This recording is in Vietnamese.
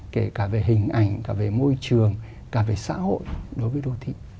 kể cả về hình ảnh cả về môi trường cả về xã hội đối với đô thị